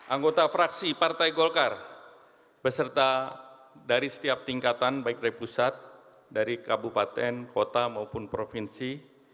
anggota fraksi partai golkar beserta dari setiap tingkatan baik dari pusat dari kabupaten kota maupun provinsi